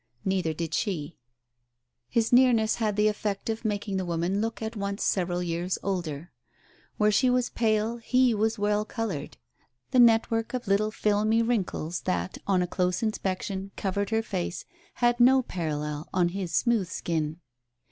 Neither did she. His nearness had the effect of making the woman look at once several years older. Where she was pale he was well coloured; the network of little filmy wrinkles that, on a close inspection, covered her face, had no parallel on his smooth skin.